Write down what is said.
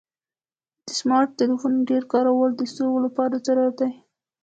د سمارټ ټلیفون ډیر کارول د سترګو لپاره ضرري دی.